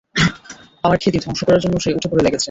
আমার খ্যাতি ধ্বংস করার জন্য সে উঠে-পড়ে লেগেছে।